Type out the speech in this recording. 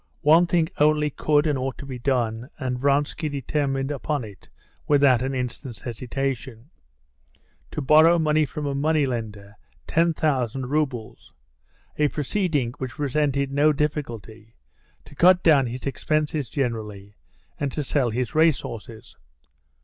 One thing only could and ought to be done, and Vronsky determined upon it without an instant's hesitation: to borrow money from a money lender, ten thousand roubles, a proceeding which presented no difficulty, to cut down his expenses generally, and to sell his race horses.